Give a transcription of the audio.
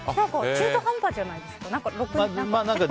中途半端じゃないですか？